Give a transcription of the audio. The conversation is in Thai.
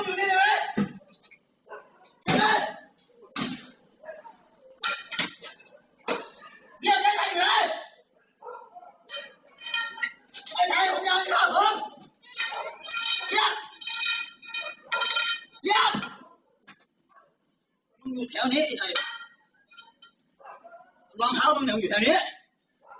ล่าเนาพังแม่วอยู่ที่นี่